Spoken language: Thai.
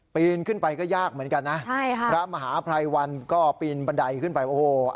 ปีนขึ้นไปก็ยากเหมือนกันนะใช่ค่ะพระมหาภัยวันก็ปีนบันไดขึ้นไปโอ้โห